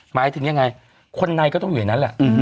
หมายถึงยังไงคนในก็ต้องอยู่อย่างนั้นแหละ